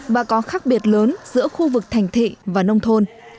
và có khác biệt lớn giữa khu vực thành thị và nông thôn